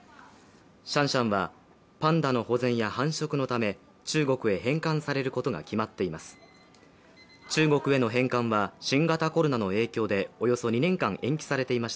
シャンシャンはパンダの保全や繁殖のため中国へ返還されることが決まっています。